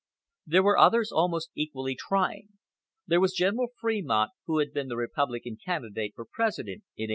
There were others almost equally trying. There was General Fremont, who had been the Republican candidate for President in 1856.